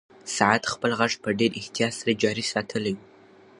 ساعت خپل غږ په ډېر احتیاط سره جاري ساتلی و.